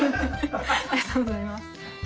ありがとうございます。